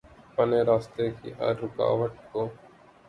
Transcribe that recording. پنے راستے کی ہر رکاوٹ کو